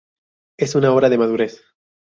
Es una obra de madurez.